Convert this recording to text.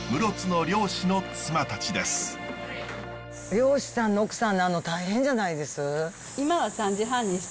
漁師さんの奥さんなんの大変じゃないです？